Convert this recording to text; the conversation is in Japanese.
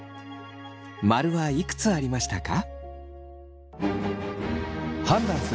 ○はいくつありましたか？